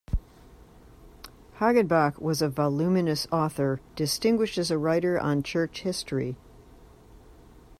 Hagenbach was a voluminous author, distinguished as a writer on church history.